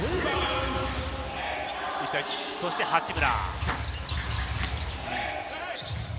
そして八村。